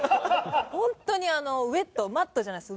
本当にウェット「マッド」じゃないです。